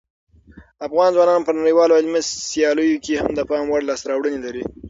افغان ځوانان په نړیوالو علمي سیالیو کې هم د پام وړ لاسته راوړنې لري.